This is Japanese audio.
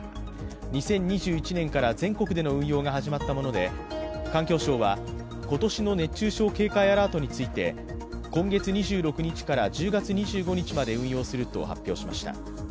２０２１年から全国での運用が始まったもので、環境省は今年の熱中症警戒アラートについて今月２６日から１０月２５日まで運用すると発表しました。